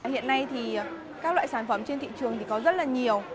hiện nay thì các loại sản phẩm trên thị trường thì có rất là nhiều